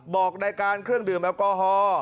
บอกรายการเครื่องดื่มแอลกอฮอล์